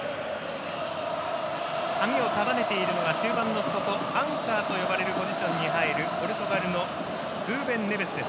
髪を束ねているのが中盤の底アンカーと呼ばれるポジションに入るポルトガルのルーベン・ネベスです。